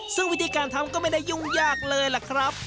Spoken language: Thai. ซึ่งวิธีการทำก็ไม่ได้ยุ่งยากเลยล่ะครับ